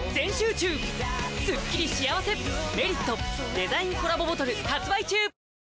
デザインコラボボトル発売中！